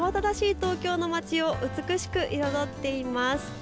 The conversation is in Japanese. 東京の街を美しく彩っています。